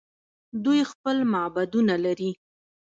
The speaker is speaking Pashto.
دوی خپل معبدونه لري.